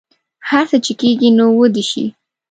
هر څه چې کیږي نو ودې شي